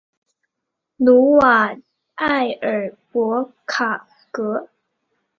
努瓦埃尔博卡格。